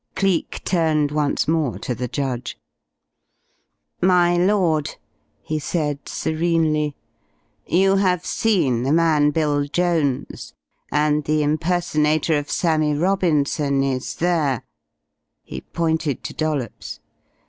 Cleek turned once more to the judge. "My lord," he said serenely, "you have seen the man Bill Jones, and the impersonator of Sammie Robinson is there," he pointed to Dollops.